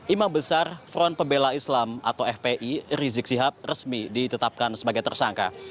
imam besar front pembela islam atau fpi rizik sihab resmi ditetapkan sebagai tersangka